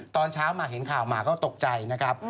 ตอนเช้ามาเห็นข่าวมาก็ตกใจนะครับ